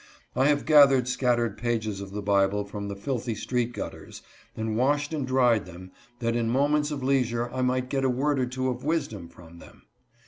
I have gathered scattered pages of the Bible from the filthy street gutters, and washed and dried them, that in mo ments of leisure I might get a word or two of wisdom from them.